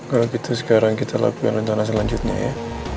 kalau gitu sekarang kita lakukan rencana selanjutnya ya